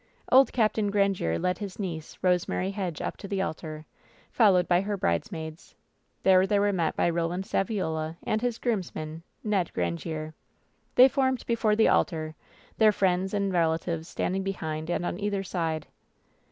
Old Capt. Grandiere led his niece, Rosemary Hedge, \^ up to the altar, followed by her bridesmaids. There they were met by Roland Saviola and his groomsman, Ned Grandiere. They formed before the altar, their friends and relatives standing behind and on either side.